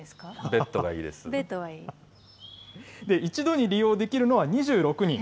一度に利用できるのは２６人。